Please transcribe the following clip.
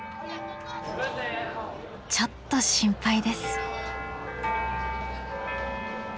ちょっと心配です。